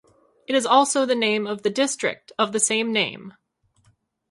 It is also the name of the district of the same name.